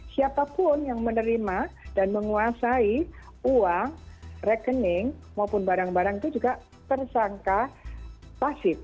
siapapun yang menerima dan menguasai uang rekening maupun barang barang itu juga tersangka pasif